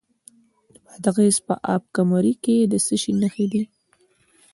د بادغیس په اب کمري کې د څه شي نښې دي؟